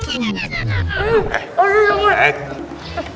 enak banget enak banget enak banget